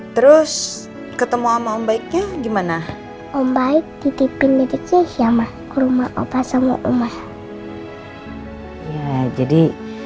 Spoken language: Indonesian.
terus ketemu ama baiknya gimana baik titipin di rumah opa semua umat jadi